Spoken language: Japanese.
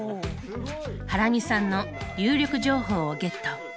ハラミさんの有力情報をゲット。